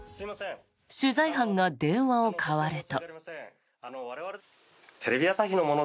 取材班が電話を代わると。